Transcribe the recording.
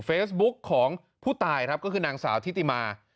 เฟซบุ๊กของผู้ตายครับก็คือนางสาวทิติมา